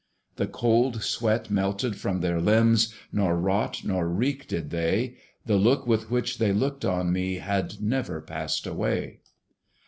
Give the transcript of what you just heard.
The cold sweat melted from their limbs, Nor rot nor reek did they: The look with which they looked on me Had never passed away.